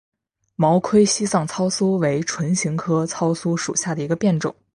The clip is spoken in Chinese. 毛盔西藏糙苏为唇形科糙苏属下的一个变种。